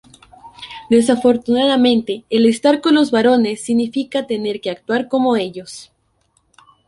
Desafortunadamente, el estar con los varones significa tener que actuar como ellos.